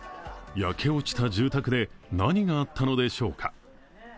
焼け落ちた住宅で何があったのでしょうか。